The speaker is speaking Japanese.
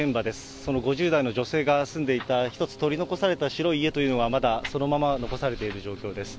その５０代の女性が住んでいた、１つ取り残された白い家というのは、まだそのまま残されている状況です。